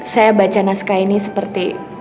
saya baca naskah ini seperti